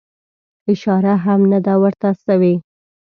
اشاره هم نه ده ورته سوې.